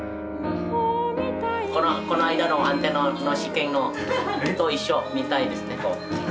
この間のアンテナの試験と一緒みたいですねこう。